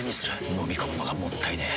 のみ込むのがもったいねえ。